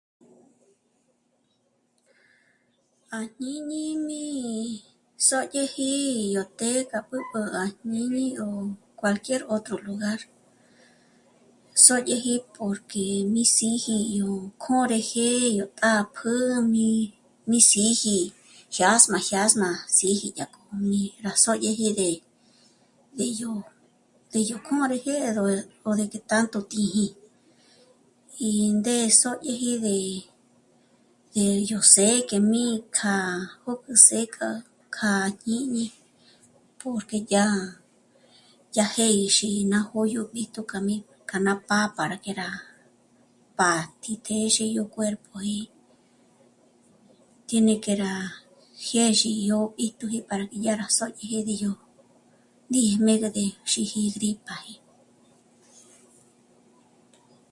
À jñíñi mí sódyeji yó té k'a b'ǚb'ü à jñíñi yó cualquier otro lugar sódyeji porque mí síji yó kjôrëjë yó tápjü mí, mí síji, jyâsma, jyâsma síji dyák'o mí rá sódyeji de, de yó, de yó kjôrëjë o de qué tanto tì'i. í ndé sódyeji de yó së́'ë k'e mí kjâ'a jö́k'ü së́'ë k'o kja jñíñi porque yá, yá jë̀'ë í xíji ná jó'o yó bíjtu k'a mí, ka ná pá'a k'a k'e rá pǎjti téxe yó cuerpoji, tiene que rá jyêzhi yó 'íjtuji para dyá rá sódyeji de yó ndíj' ndéjm'e de xíji í gripaji